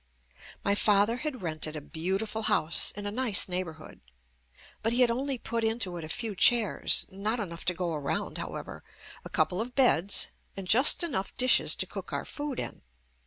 My father had rented a beautiful house in a nice neighborhood, but he had only put into it a few chairs (not enough to go round, however), a couple of beds and just enough dishes to cook our food in.